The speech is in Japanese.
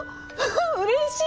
うれしい！